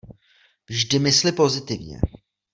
Vždy mysli pozitivně.